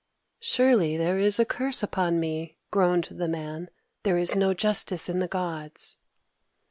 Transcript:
"Surely there is a curse upon me," groaned the Man. "There is no justice in the Gods!"